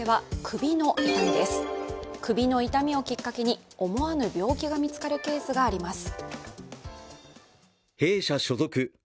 首の痛みをきっかけに、思わぬ病気が見つかるケースがあります。